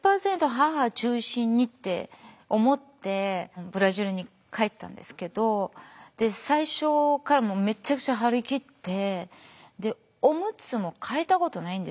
母中心にって思ってブラジルに帰ったんですけど最初からもうめちゃくちゃ張り切っておむつも替えたことないんですよ。